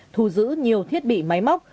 thu giữ nhiều thiết bị máy móc